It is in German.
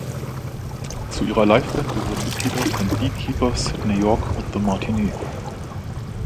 Zu ihrer Live-Band gehören Mitglieder von Beekeeper, Sidney York und The Matinee.